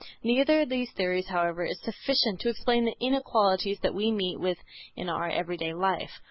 Neither of these theories, however, is sufficient to explain the inequalities that we meet with in our everyday life.